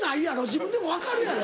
自分でも分かるやろ？